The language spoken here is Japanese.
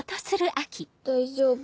大丈夫。